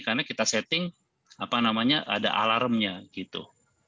karena kita setting apa namanya ada alarmnya gitu